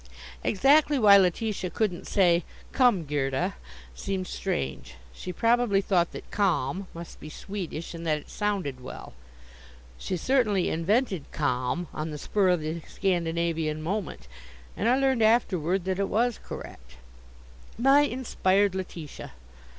Exactly why Letitia couldn't say "Come, Gerda," seemed strange. She probably thought that Kom must be Swedish, and that it sounded well. She certainly invented Kom on the spur of the Scandinavian moment, and I learned afterward that it was correct. My inspired Letitia!